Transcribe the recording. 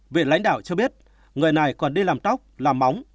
viện lãnh đạo cho biết người này còn đi làm tóc làm móng